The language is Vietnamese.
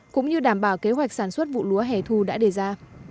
cũng như đảm bảo kế hoạch sản xuất vụ lúa hẻ thu đã đề ra